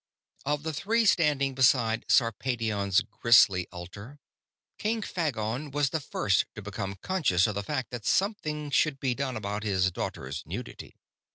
_Of the three standing beside Sarpedion's grisly altar, King Phagon was the first to become conscious of the fact that something should be done about his daughter's nudity.